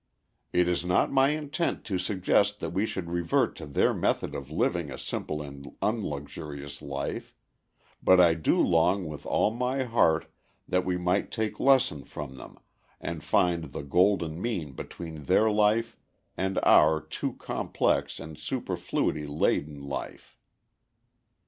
It is not my intent to suggest that we should revert to their method of living a simple and unluxurious life, but I do long with all my heart that we might take lesson from them, and find the golden mean between their life and our too complex and superfluity laden life.